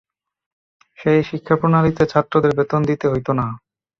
সেই শিক্ষাপ্রণালীতে ছাত্রদের বেতন দিতে হইত না।